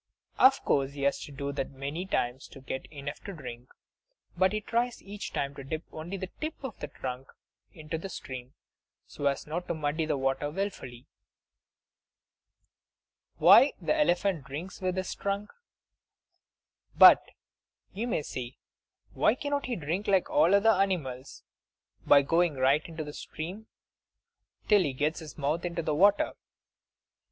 Of course he has to do that many times, to get enough to drink. But he tries each time to dip only the tip of the trunk into the stream, so as not to muddy the water willfully! Why the Elephant Drinks with His Trunk But, you may say, why cannot he drink like other animals, by going right into the stream till he gets his mouth into the water?